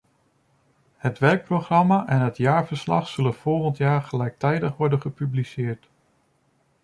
Het werkprogramma en het jaarverslag zullen volgend jaar gelijktijdig worden gepubliceerd.